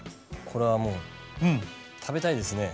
これはもう食べたいですね。